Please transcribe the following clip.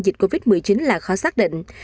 dịch covid một mươi chín là khó xác định